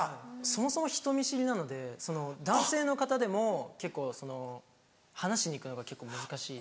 そもそも人見知りなので男性の方でも結構その話しに行くのが結構難しい。